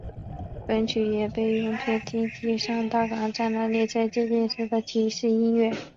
本曲也被用作京急上大冈站的列车接近时的提示音乐。